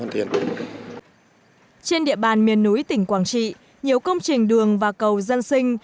trên địa bàn miền núi tỉnh quảng trị nhiều công trình đường và cầu dân sinh